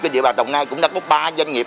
trên địa bàn đồng nai cũng đã có ba doanh nghiệp